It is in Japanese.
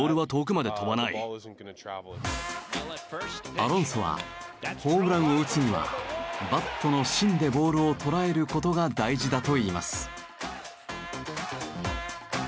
アロンソはホームランを打つにはバットの芯でボールを捉える事が大事だといいます。